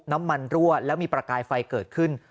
น้ำมันรั่วแล้วมีประกายไฟเกิดขึ้น